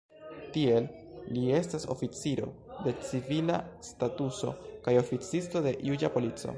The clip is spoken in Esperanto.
Tiel, li estas oficiro de civila statuso kaj oficisto de juĝa polico.